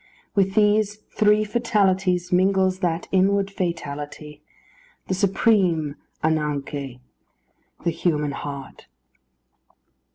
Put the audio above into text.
With these three fatalities mingles that inward fatality the supreme [Greek: anagkê], the human heart.